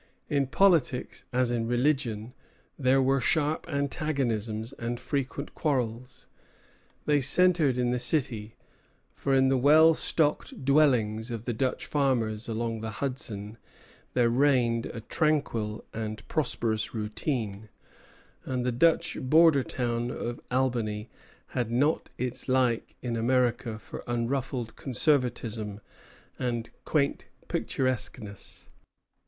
In politics, as in religion, there were sharp antagonisms and frequent quarrels. They centred in the city; for in the well stocked dwellings of the Dutch farmers along the Hudson there reigned a tranquil and prosperous routine; and the Dutch border town of Albany had not its like in America for unruffled conservatism and quaint picturesqueness.